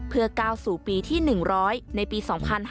เพื่อก้าวสู่ปีที่๑๐๐ในปี๒๕๕๙